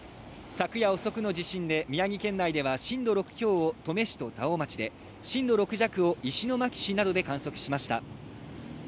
昨夜遅くの地震で宮城県内では震度６強を登米市と蔵王町で、震度６弱を石巻市などで観測しました。